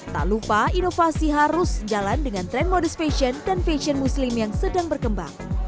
tak lupa inovasi harus jalan dengan tren modus fashion dan fashion muslim yang sedang berkembang